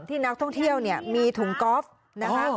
ที่นักท่องเที่ยวเนี่ยมีถุงกอล์ฟนะคะ